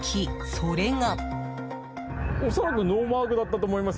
それが。